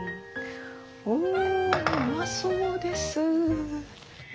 おおうまそうです。